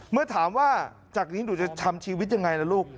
เมื่อถามว่าจากนี้หนูจะทำชีวิตยังไงล่ะลูก